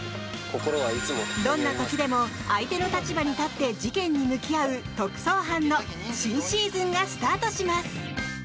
どんな時でも相手の立場に立って事件に向き合う特捜班の新シーズンがスタートします！